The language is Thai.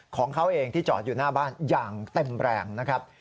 ของเขาเองที่จอดอยู่หน้าบ้านอย่างเต็มแรงนะครับ